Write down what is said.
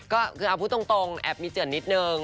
ก็คือเอาพูดตรงแอบมีเจือนนิดนึง